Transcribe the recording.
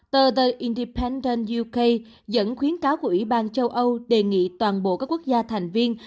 tờ the indipenden youca dẫn khuyến cáo của ủy ban châu âu đề nghị toàn bộ các quốc gia thành viên